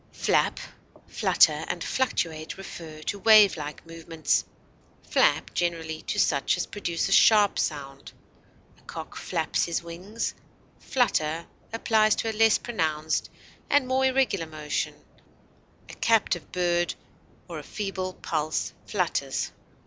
Flap, flutter, and fluctuate refer to wave like movements, flap generally to such as produce a sharp sound; a cock flaps his wings; flutter applies to a less pronounced and more irregular motion; a captive bird or a feeble pulse flutters.